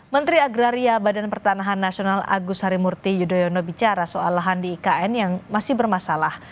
menteri agraria badan pertanahan nasional agus harimurti yudhoyono bicara soal lahan di ikn yang masih bermasalah